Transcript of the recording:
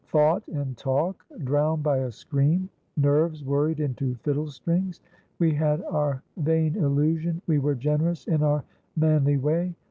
Thought and talk drowned by a scream; nerves worried into fiddle strings. We had our vain illusion; we were generous in our manly way.